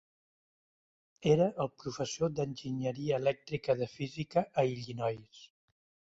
Era el professor d'enginyeria elèctrica de física a Illinois.